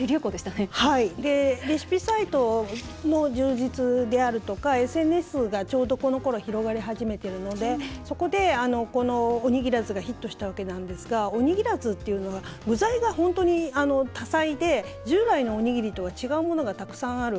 レシピサイトの充実であるとかＳＮＳがちょうど、このころ広がり始めているので、そこでこのおにぎらずがヒットしたわけなんですがおにぎらずっていうのが具材が本当に多彩で従来のおにぎりとは違うものがたくさんある。